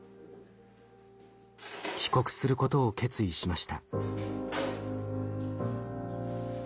帰国することを決意しました。